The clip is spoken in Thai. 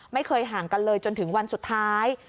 ไม่เคยห่างกันเลยจนถึงวันสุดท้าย